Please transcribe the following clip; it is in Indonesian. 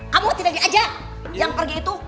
kamu tidak diajak yang pergi itu